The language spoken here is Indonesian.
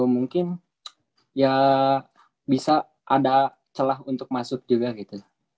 mungkin ya bisa ada celah untuk masuk juga gitu